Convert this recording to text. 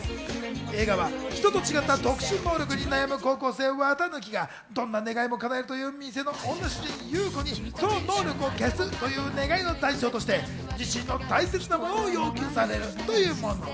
映画は人と違った特殊能力に悩む高校生・四月一日がどんな願いも叶えるという店の女主人・侑子にその能力を消すという願いの代償として自身の大切なものを要求されるというもの。